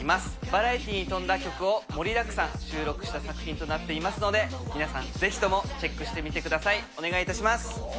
バラエティーに富んだ曲を盛りだくさん収録した作品となっていますので、皆さん、ぜひともチェックしてみてください。